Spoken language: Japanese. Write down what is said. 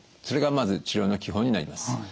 それがまず治療の基本になります。